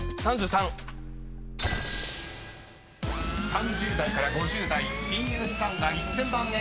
［３０代から５０代金融資産が１，０００万円